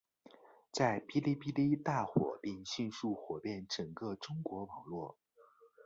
在哔哩哔哩大火并迅速火遍整个中国网络。